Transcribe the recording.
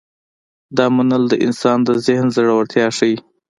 دا منل د انسان د ذهن زړورتیا ښيي.